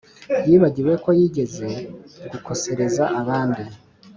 yibagiwe ko yigeze gukosereza abandi.